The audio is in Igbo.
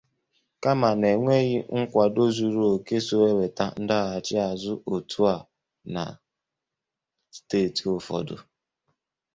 kama na enweghị nkwàdo zuru òkè so ewèta ndọghachiazụ òtù a na steeti ụfọdụ